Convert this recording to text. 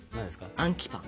「アンキパン」。